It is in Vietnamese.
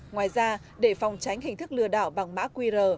ngoài ra để phòng tránh hình thức lừa đảo bằng mã qr